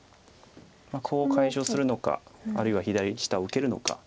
コウを解消するのかあるいは左下を受けるのか。